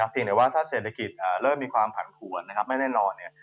ถ้าเศรษฐกิจเริ่มมีความผันผวนไม่แน่นรอเนี่ย